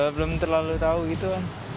belum terlalu tahu gitu kan